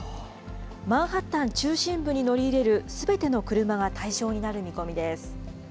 マンハッタン中心部に乗り入れるすべての車が対象になる見込みです。